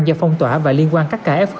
do phong tỏa và liên quan các cả f